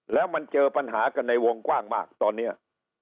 แล้วมันเจอปัญหากันในวงกว้างมากตอนนี้